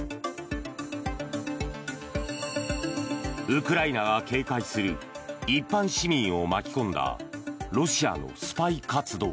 ウクライナが警戒する一般市民を巻き込んだロシアのスパイ活動。